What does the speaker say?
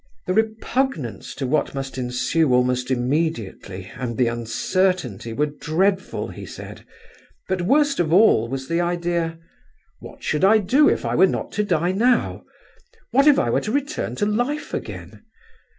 "The repugnance to what must ensue almost immediately, and the uncertainty, were dreadful, he said; but worst of all was the idea, 'What should I do if I were not to die now? What if I were to return to life again?